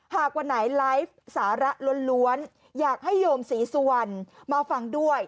หากวันไหนไลฟ์สาระล้วนอยากให้โยมศรีสุวรรณมาฟังด้วย